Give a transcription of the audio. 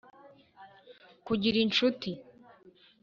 kugira inshuti